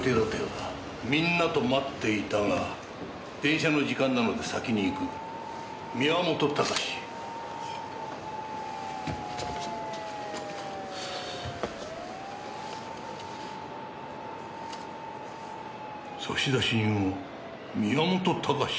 「みんなと待っていたが電車の時間なので先に行く」「宮本孝」差出人も宮本孝。